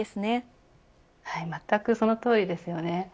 まったくそのとおりですよね。